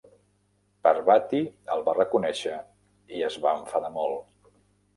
Parvati el va reconèixer i es va enfadar molt.